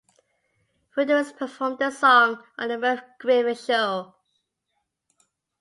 Voudouris performed the song on the Merv Griffin Show.